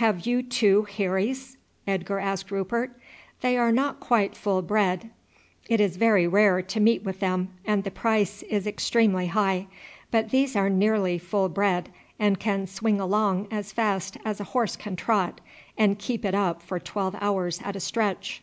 "Have you two heiries?" Edgar asked Rupert. "They are not quite full bred. It is very rare to meet with them, and the price is extremely high; but these are nearly full bred, and can swing along as fast as a horse can trot, and keep it up for twelve hours at a stretch."